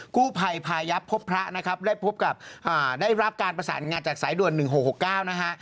กู้ภัยพายับพบพระนะครับได้พบกับได้รับการประสานงานจากสายด่วน๑๖๖๙นะฮะ